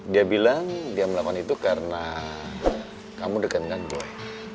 dia bilang dia melakukan itu karena kamu dekat dengan joy